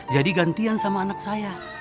jadi gantian sama anak saya